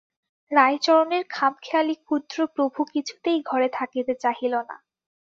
রাইচরণের খামখেয়ালী ক্ষুদ্র প্রভু কিছুতেই ঘরে থাকিতে চাহিল না।